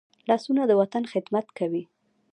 لاسونه د وطن خدمت کوي